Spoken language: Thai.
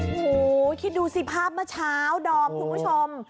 โอ้โหคิดดูสิภาพเมื่อเช้าดอมคุณผู้ชม